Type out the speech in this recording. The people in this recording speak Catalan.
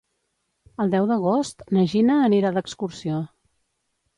El deu d'agost na Gina anirà d'excursió.